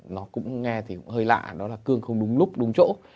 nó cũng nghe thì cũng hơi lạ đó là cương không đúng lúc đúng chỗ